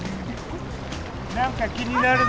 何か気になるの？